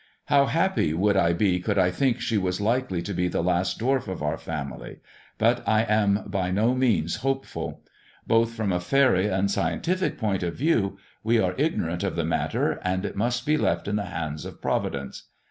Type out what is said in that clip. How happy would I be could I think she was likely to be the last dwarf 164 THE DWARF*S CHAMBER of our family ; but I am by no means hopeful. Both from a faery and scientific point of view, we are ignorant of the matter, and it must be left in the hands of Providence.